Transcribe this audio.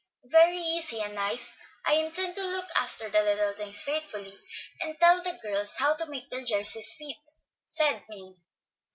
"Very easy and nice. I intend to look after little things faithfully, and tell the girls how to make their jerseys fit," said Min.